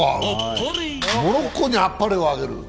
モロッコにあっぱれをあげると。